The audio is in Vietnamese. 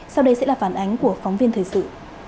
sau đây sẽ là phản ánh của phóng viên thời sự